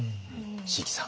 椎木さん